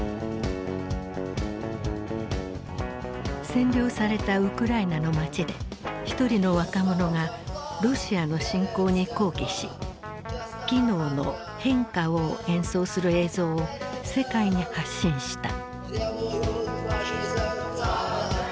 占領されたウクライナの街で一人の若者がロシアの侵攻に抗議しキノーの「変化を！」を演奏する映像を世界に発信した。